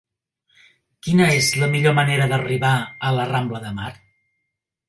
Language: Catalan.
Quina és la millor manera d'arribar a la rambla de Mar?